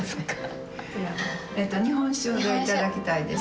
ええと日本酒が頂きたいです。